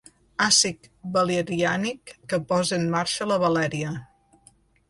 Àcid valeriànic que posa en marxa la Valèria.